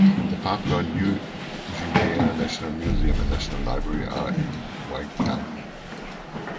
The Papua New Guinea National Museum and National Library are in Waigani.